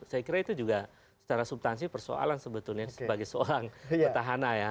saya kira itu juga secara subtansi persoalan sebetulnya sebagai seorang petahana ya